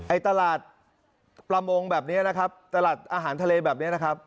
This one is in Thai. ตลาดประมงแบบนี้นะครับตลาดอาหารทะเลแบบนี้นะครับ